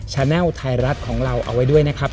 แนลไทยรัฐของเราเอาไว้ด้วยนะครับ